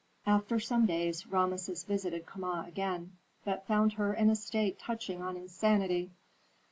After some days Rameses visited Kama again, but found her in a state touching on insanity.